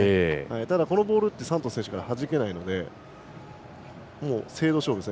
ただ、このボールはサントス選手、はじけないので精度勝負ですね。